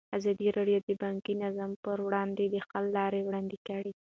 ازادي راډیو د بانکي نظام پر وړاندې د حل لارې وړاندې کړي.